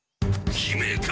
悲鳴か！？